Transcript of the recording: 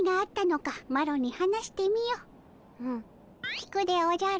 聞くでおじゃる。